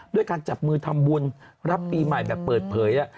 ด้วยการจับมือทำบุญรับปีใหม่แบบเปิดเผย